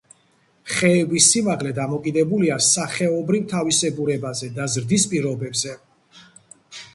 ხეების სიმაღლე დამოკიდებულია სახეობრივ თავისებურებაზე და ზრდის პირობებზე.